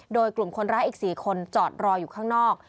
โดยกลุ่มคนร้ายอีก๔คนจอดรออยู่ข้างนอก